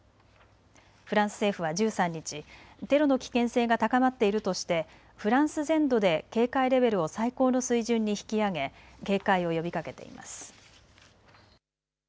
フランス政府は１３日、テロの危険性が高まっているとしてフランス全土で警戒レベルを最高の水準に引き上げ警戒を呼びかけています。